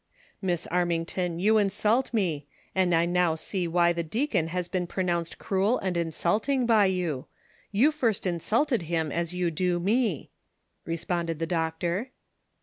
"Miss Armington, you insult me, and I now see why the deacon has been pronounced cruel and insulting by you. You first insulted him as you do me," responded the doctor.